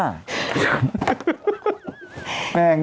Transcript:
คล้าย